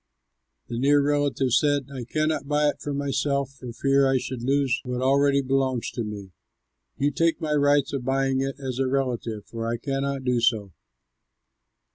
The near relative said, "I cannot buy it for myself, for fear I should lose what already belongs to me. You take my right of buying it as a relative, for I cannot do so."